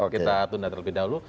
kita tunda terlebih dahulu